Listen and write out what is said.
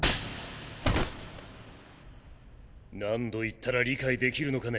何度言ったら理解できるのかね